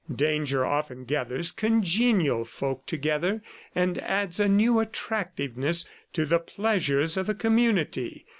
Danger often gathers congenial folk together and adds a new attractiveness to the pleasures of a community.